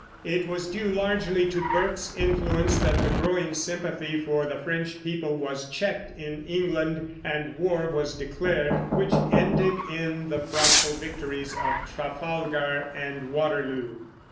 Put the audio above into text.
It was due largely to Burke's influence that the growing sympathy for the French people was checked in England, and war was declared, which ended in the frightful victories of Trafalgar and Waterloo.